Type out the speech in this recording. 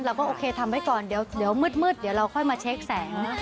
โอเคทำไว้ก่อนเดี๋ยวมืดเดี๋ยวเราค่อยมาเช็คแสง